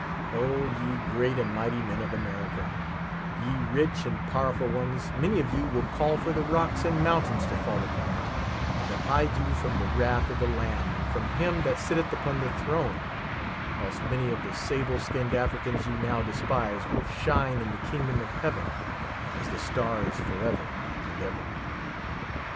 O, ye great and mighty men of America, ye rich and powerful ones, man}' of 3'ou will call for the rocks and mountains to fall upon you, and to hide you from the wrath of the lamb, and from him that sitteth upon the throne ; whilst many of the sable skinned Africans you now despise, will shine in the kingdom of heaven as the stars, forever and ever.